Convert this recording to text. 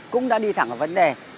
cũng đã đi thẳng vào vấn đề